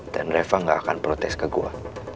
dan reva gak akan protes ke gue